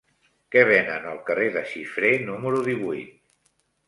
Què venen al carrer de Xifré número divuit?